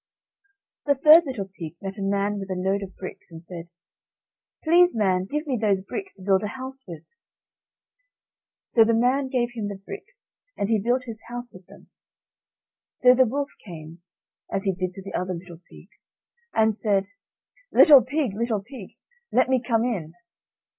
The third little pig met a man with a load of bricks, and said: "Please, man, give me those bricks to build a house with." So the man gave him the bricks, and he built his house with them. So the wolf came, as he did to the other little pigs, and said: "Little pig, little pig, let me come in."